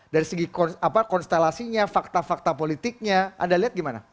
dari segi konstelasinya fakta fakta politiknya anda lihat gimana